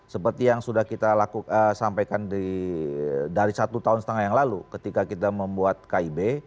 seperti yang sudah kita lakukan sampaikan dari satu tahun setengah yang lalu ketika kita membuat kib